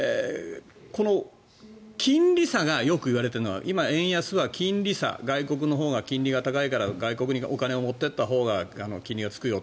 金利差がよくいわれているのが今、円安は金利差外国のほうが金利が高いから外国にお金を持って行ったほうが金利がつくよ。